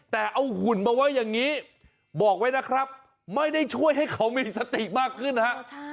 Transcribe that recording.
แต่เอาหุ่นมาไว้อย่างนี้บอกไว้นะครับไม่ได้ช่วยให้เขามีสติมากขึ้นนะฮะ